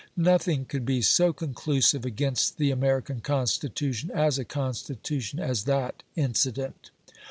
Nothing could be so conclusive against the American Constitution, as a Constitution, as that incident.